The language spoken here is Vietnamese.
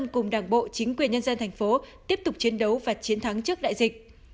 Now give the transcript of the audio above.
cùng đảng bộ chính quyền nhân dân thành phố tiếp tục chiến đấu và chiến thắng trước đại dịch